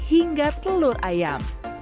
hingga telur ayam